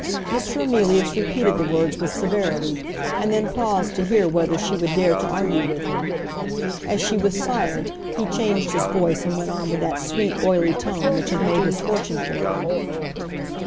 Mr. Emilius repeated the words with severity, and then paused to hear whether she would dare to argue with him. As she was silent, he changed his voice, and went on with that sweet, oily tone which had made his fortune for him.